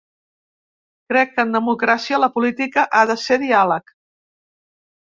Crec que en democràcia la política ha de ser diàleg.